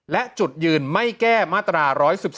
และจุดยืนไม่แก้มาตรา๑๑๒